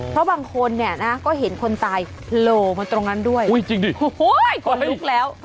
เพราะบางคนเนี่ยนะก็เห็นคนตายโผล่มาตรงนั้นด้วยอุ้ยจริงดิโอ้โหคนลุกแล้ว